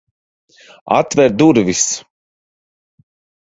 Atver durvis!